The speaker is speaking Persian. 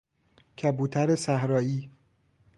کبوتر صحرائی